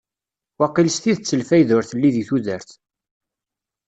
Waqil s tidet lfayda ur telli deg tudert.